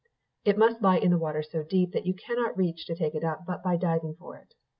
It must lie in the water so deep that you cannot reach to take it up but by diving for it.